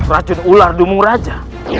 racun ular dumung raja